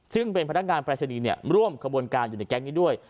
ซึ่งเป็นพนักงานปรายศนีย์ร่วมขบวนการอยู่ในแก๊งนี้ด้วย